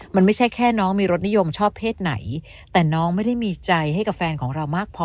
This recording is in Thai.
มันไม่ใช่แค่น้องมีรสนิยมชอบเพศไหนแต่น้องไม่ได้มีใจให้กับแฟนของเรามากพอ